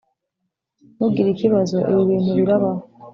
ntugire ikibazo. ibi bintu birabaho.